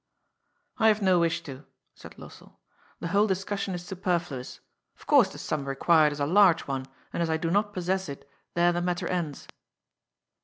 " I have no wish to," said Lossell. " The whole dis cussion is superfluous. Of course the sum required is a large que, and as I do not possess it, there the matter ends."